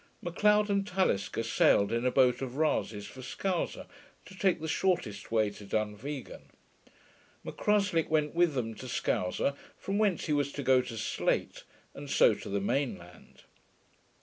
Macleod and Talisker sailed in a boat of Rasay's for Sconser, to take the shortest way to Dunvegan. M'Cruslick went with them to Sconser, from whence he was to go to Slate, and so to the main land.